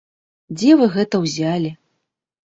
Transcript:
Дзе вы гэта ўзялі?